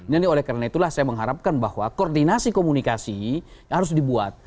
nah oleh karena itulah saya mengharapkan bahwa koordinasi komunikasi harus dibuat